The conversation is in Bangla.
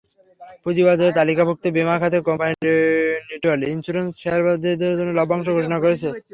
পুঁজিবাজারে তালিকাভুক্ত বিমা খাতের কোম্পানি নিটল ইনস্যুরেন্স শেয়ারধারীদের জন্য লভ্যাংশ ঘোষণা করেছে।